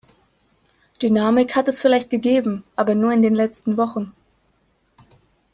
Dynamik hat es vielleicht gegeben, aber nur in den letzten Wochen.